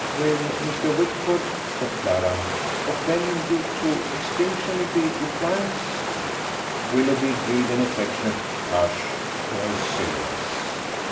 "Will Mr. Whitford," said Clara, "offend you to extinction if he declines?" Willoughby breathed an affectionate "Tush!" to her silliness.